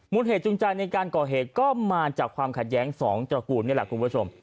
เหตุจูงใจในการก่อเหตุก็มาจากความขัดแย้งสองตระกูลนี่แหละคุณผู้ชม